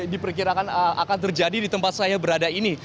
diperkirakan akan terjadi di tempat saya berada ini